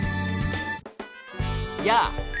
やあ！